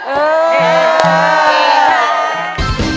เอ๋ยา